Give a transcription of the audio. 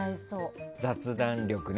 雑談力ね。